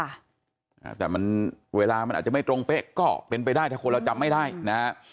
อ่าแต่มันเวลามันอาจจะไม่ตรงเป๊ะก็เป็นไปได้ถ้าคนเราจำไม่ได้นะฮะ